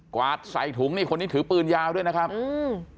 วาดใส่ถุงนี่คนนี้ถือปืนยาวด้วยนะครับอืม